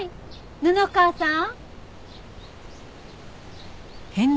布川さん？